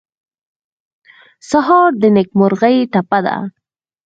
سهار د نېکمرغۍ ټپه ده.